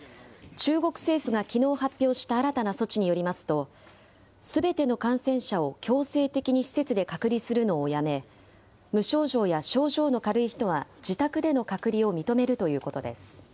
中国政府がきのう発表した新たな措置によりますと、すべての感染者を強制的に施設で隔離するのをやめ、無症状や症状の軽い人は自宅での隔離を認めるということです。